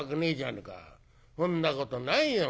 「そんなことないよ。